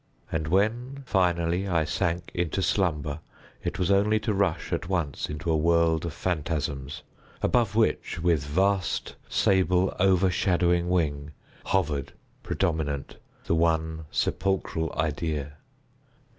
And when, finally, I sank into slumber, it was only to rush at once into a world of phantasms, above which, with vast, sable, overshadowing wing, hovered, predominant, the one sepulchral Idea.